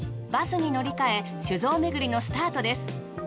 バスに乗り換え酒造めぐりのスタートです。